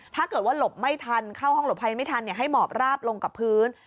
ถ้าเกิดว่าหลบไม่ทันเข้าห้องหลบภัยไม่ทันให้หมอบราบลงกับพื้น